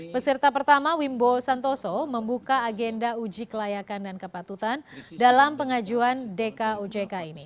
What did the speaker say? peserta pertama wimbo santoso membuka agenda uji kelayakan dan kepatutan dalam pengajuan dkujk ini